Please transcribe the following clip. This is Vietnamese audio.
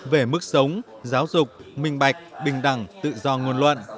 về mức sống giáo dục minh bạch bình đẳng tự do ngôn luận